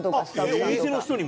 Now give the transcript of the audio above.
お店の人にも？